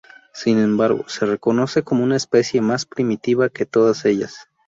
Sin embargo, se reconoce como una especie más primitiva que todas ellas.